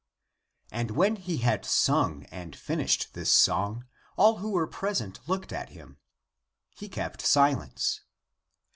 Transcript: And when he had sung and finished this song, all who were present looked at him. He kept si lence.